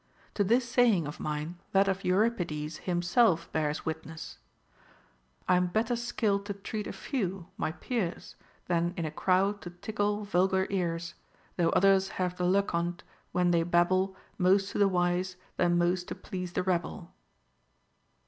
To this saying of mine that of Euripides him self bears witness :— I'm better skilled to treat a few, my peers, Than in a crowd to tickle vulgar ears ; Though others have the luck ou't, when they babble Most to the wise, then most to please the rabble.